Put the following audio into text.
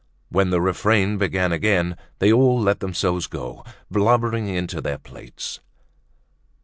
When the refrain began again, they all let themselves go, blubbering into their plates.